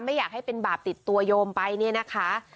ไม่อยากให้เป็นบาปติดตัวโยมไปเนี่ยนะคะ